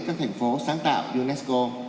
các thành phố sáng tạo unesco